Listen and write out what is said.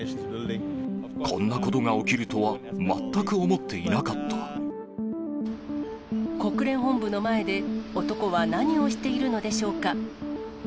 こんなことが起きるとは全く思っ国連本部の前で、男は何をしているのでしょうか。